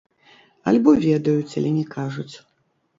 Альбо ведаюць, але не кажуць.